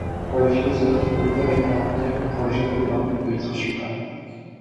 Pour les philosophes, le Père éternel ; pour les jacobins, l’Être suprême.